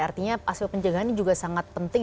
artinya aspek pencegahan ini juga sangat penting